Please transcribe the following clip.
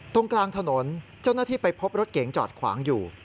ตรงกลางถนนเจ้าหน้าที่ไปพบรถเก๋งจอดขวางอยู่